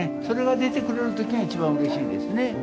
それが出てくれる時が一番うれしいですね。